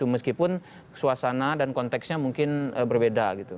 meskipun suasana dan konteksnya mungkin berbeda gitu